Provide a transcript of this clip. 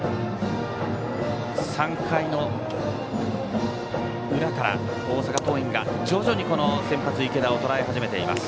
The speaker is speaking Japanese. ３回の裏から大阪桐蔭が徐々に先発、池田をとらえ始めています。